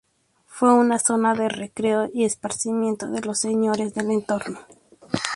Fue una zona de recreo y esparcimiento de los señoríos del entorno.